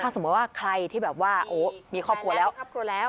สมมุติว่าใครที่แบบว่าโอ้มีครอบครัวแล้วครอบครัวแล้ว